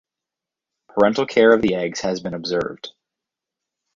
Parental care of the eggs has been observed.